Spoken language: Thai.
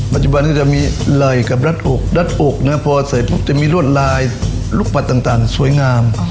ปัจจุบันนี้จะมีไหล่กับรัดอกรัดอกนะพอเสร็จปุ๊บจะมีรวดลายลูกปัดต่างสวยงาม